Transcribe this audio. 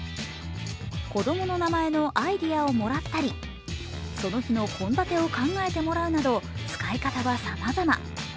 子供の名前のアイデアをもらったりその日の献立を考えてもらうなど使い方はさまざま。